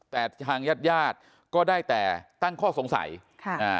แต่ทางญาติญาติก็ได้แต่ตั้งข้อสงสัยค่ะอ่า